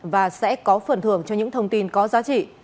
và sẽ có phần thưởng cho những thông tin có giá trị